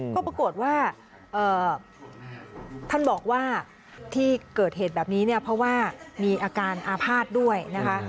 ก็ปรากฏว่าท่านบอกว่าที่เกิดเหตุแบบนี้เนี่ยเพราะว่ามีอาการอาภาษณ์ด้วยนะคะ